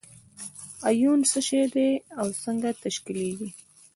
ایون څه شی دی او څنګه تشکیلیږي؟